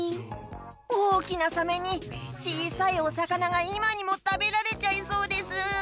おおきなサメにちいさいおさかながいまにもたべられちゃいそうです。